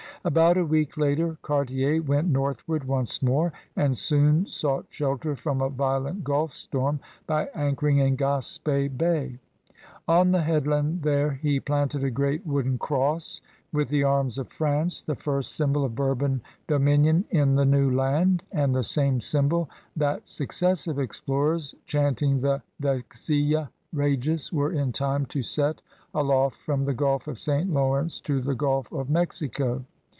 About a week later, Cartier went northward once more and soon sought shelter from a violent gulf storm by anchoring in Gaspe Bay. On the headland there he planted a great wooden cross with the arms of France, the first symbol of Bourbon dominion in the New Land, and the same symbol that successive explorers, chanting the VexUla Regis, were in time to set aloft from the Gulf of St. Lawrence to the Gulf of A VOYAGEUR OF BRITTANY 19 Mexico.